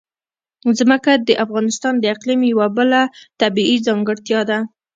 ځمکه د افغانستان د اقلیم یوه بله طبیعي ځانګړتیا ده.